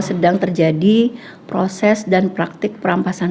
sedang terjadi proses dan praktik perampasan